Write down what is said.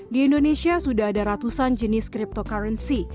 di indonesia sudah ada ratusan jenis cryptocurrency